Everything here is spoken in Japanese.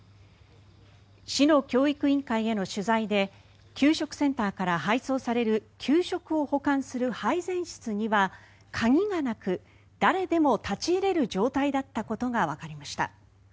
市の教育委員会への取材で給食センターから配送される給食を保管する配膳室には、鍵がなく誰でも立ち入れる状態だったことがわかりました。